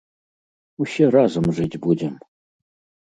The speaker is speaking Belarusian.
Усе разам жыць будзем!